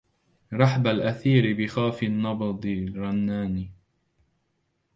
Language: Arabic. رحب الأثير بخافي النبض رنان